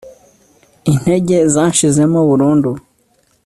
intege zanshizemo burundu